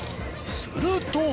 すると。